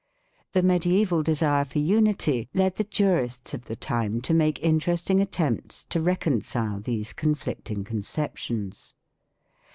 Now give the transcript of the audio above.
The mediaeval desire for unity led the jurists of the time to make interesting attempts to reconcile these conflicting conceptions.